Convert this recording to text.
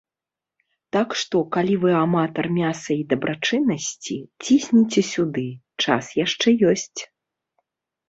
Так што, калі вы аматар мяса і дабрачыннасці, цісніце сюды, час яшчэ ёсць.